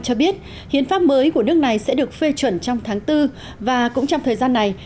cho biết hiến pháp mới của nước này sẽ được phê chuẩn trong tháng bốn và cũng trong thời gian này